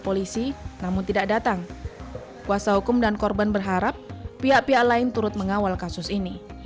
polisi namun tidak datang kuasa hukum dan korban berharap pihak pihak lain turut mengawal kasus ini